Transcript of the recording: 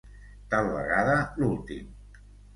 Tal vegada l'últim.